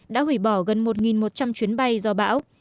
đã hủy bỏ gần một một trăm linh chuyến bay do bão